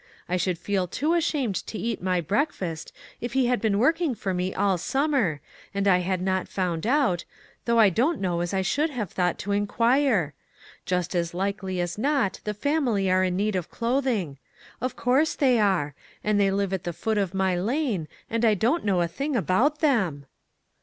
I should feel too ashamed to eat my breakfast if he had been working for me all summer, and I had not found out, though I don't know as I should have thought to inquire. Just as likely as not the family are in need of clothing. Of course they are ; and they live at the foot of my lane, and I don't know a thing about them